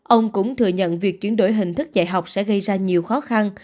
ông cũng thừa nhận việc chuyển đổi hình thức dạy học sẽ gây ra nhiều khó khăn